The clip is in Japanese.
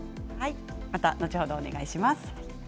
また後ほどお願いします。